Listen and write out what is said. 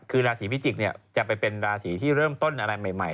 คือราศีพิจิกษ์จะไปเป็นราศีที่เริ่มต้นอะไรใหม่